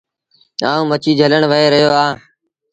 آئوٚنٚ مڇيٚ جھلڻ وهي رهيو اهآنٚ۔